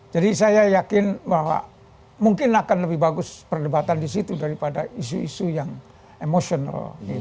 jadi saya yakin bahwa mungkin akan lebih bagus perdebatan disitu daripada isu isu yang emotional